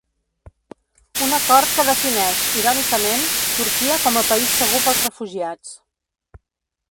Un acord que defineix, irònicament, Turquia com a país segur pels refugiats.